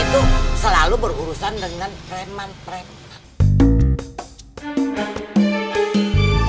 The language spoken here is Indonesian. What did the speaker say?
itu selalu berurusan dengan preman preman